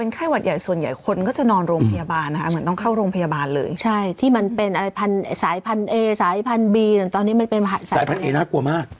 ไข้หวัดใหญ่ส่วนใหญ่คนก็จะนอนโรงพยาบาลนะคะเหมือนต้องเข้าโรงพยาบาลเลยใช่ที่มันเป็นอะไรพันสายพันเอสายพันธุบีตอนนี้มันเป็นสายพันเอน่ากลัวมาก